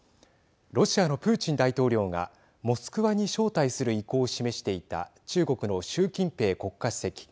ロシアのプーチン大統領がモスクワに招待する意向を示していた中国の習近平国家主席。